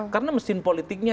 karena mesin politiknya